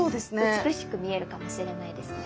美しく見えるかもしれないですね。